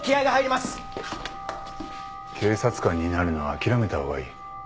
警察官になるのは諦めた方がいい。